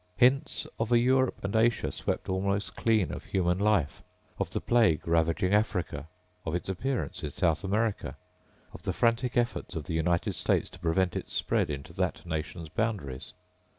Hints of a Europe and Asia swept almost clean of human life, of the plague ravaging Africa, of its appearance in South America, of the frantic efforts of the United States to prevent its spread into that nation's boundaries.